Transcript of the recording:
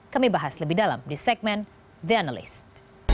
kami bahas lebih dalam di segmen the analyst